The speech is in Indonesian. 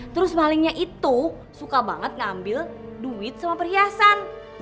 terus malingnya itu suka banget ngambil duit sama perhiasan